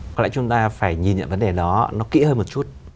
có lẽ chúng ta phải nhìn nhận vấn đề đó nó kỹ hơn một chút